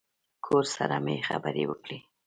کور سره مې خبرې وکړې.